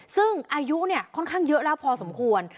ซึ่งอายุเนี่ยค่อนข้างเยอะแล้วพอสมควร